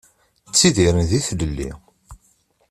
Ttidiren di tlelli.